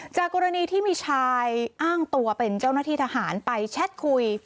กรณีที่มีชายอ้างตัวเป็นเจ้าหน้าที่ทหารไปแชทคุย